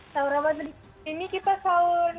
sahur apa ini kita sahur